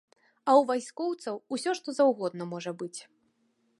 А ў вайскоўцаў усё што заўгодна можа быць.